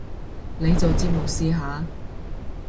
你做節目試下